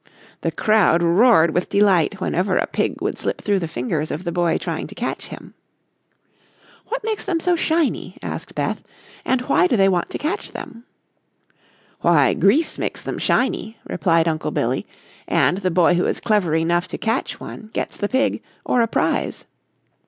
The crowd roared with delight whenever a pig would slip through the fingers of the boy trying to catch him. "What makes them so shiny?" asked Beth, "and why do they want to catch them?" "Why, grease makes them shiny," replied Uncle Billy, "and the boy who is clever enough to catch one gets the pig, or a prize."